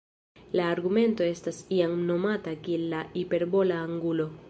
La argumento estas iam nomata kiel la hiperbola angulo.